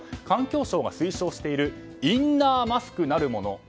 環境省が推奨しているインナーマスクなるもの。